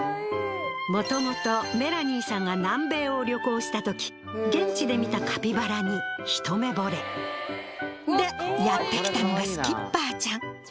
元々メラニーさんが南米を旅行した時現地で見たカピバラに一目惚れ。でやって来たのがスキッパーちゃん。